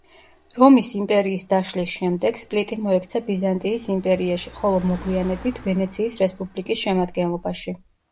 რომის იმპერიის დაშლის შემდეგ სპლიტი მოექცა ბიზანტიის იმპერიაში, ხოლო მოგვიანებით ვენეციის რესპუბლიკის შემადგენლობაში.